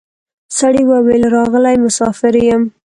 سړي وویل راغلی مسافر یم